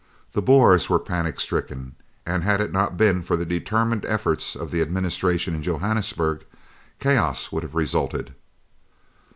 The Boers were panic stricken, and had it not been for the determined efforts of the administration in Johannesburg, chaos would have resulted.